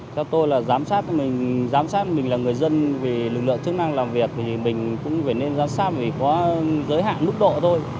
theo tôi là giám sát mình giám sát mình là người dân vì lực lượng chức năng làm việc thì mình cũng phải nên giám sát vì có giới hạn mức độ thôi